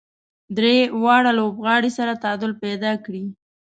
درې واړه لوبغاړي سره تعامل پیدا کړي.